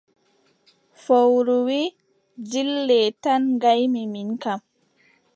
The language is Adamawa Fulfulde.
Fowru wii: dile tan ngaymi min kam!